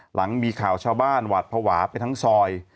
หลังมีข่าวชาวบ้านหวัดภาวะไปทั้งซอย